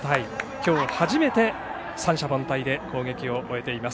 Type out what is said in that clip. きょう初めて三者凡退で攻撃を終えています。